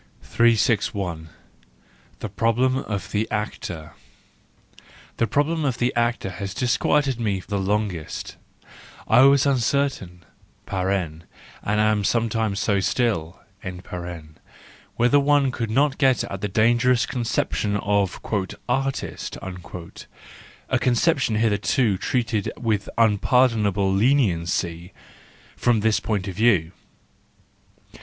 The Problem of the Actor .—The problem of the actor has disquieted me the longest j I was uncer¬ tain (and am sometimes so still) whether one could not get at the dangerous conception of " artist a conception hitherto treated with unpardonable leniency—from this point of view.